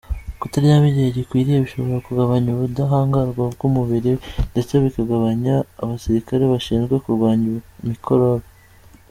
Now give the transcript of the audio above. Kutaryama igihe gikwiriye bishobora kugabanya ubudahangarwa bw’umubiri, ndetse bikagabanya abasirikare bashinzwe kurwanya mikorobe.